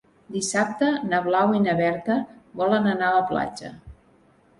Dissabte na Blau i na Berta volen anar a la platja.